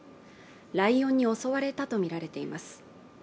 ライオンに襲われたとみられています。